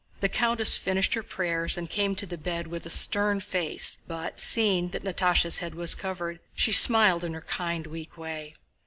The countess finished her prayers and came to the bed with a stern face, but seeing that Natásha's head was covered, she smiled in her kind, weak way.